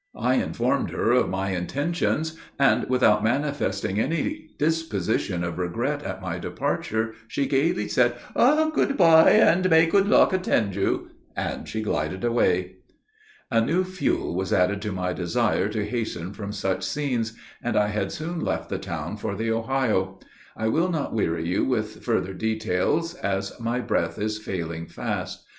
I informed her of my intentions, and, without manifesting any disposition of regret at my departure, she gaily said: "'Good bye, and may good luck attend you,' and she glided away. "A new fuel was added to my desire to hasten from such scenes; and I had soon left the town for the Ohio. I will not weary you with further details, as my breath is failing fast.